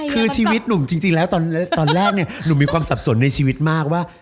คือชีวิตหนุ่มจริงแล้วตอนแรกเนี่ยหนุ่มมีความสับสนในชีวิตมากว่า